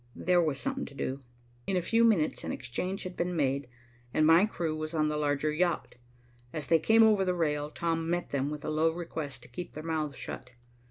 There was something to do. In a few minutes an exchange had been made, and my crew was on the larger yacht. As they came over the rail, Tom met them with a low request to keep their mouths shut.